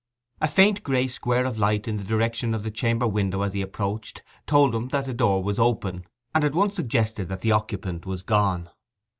A faint grey square of light in the direction of the chamber window as he approached told him that the door was open, and at once suggested that the occupant was gone.